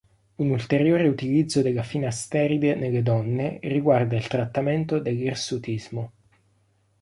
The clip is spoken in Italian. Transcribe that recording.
Un ulteriore utilizzo della finasteride nelle donne riguarda il trattamento dell'irsutismo.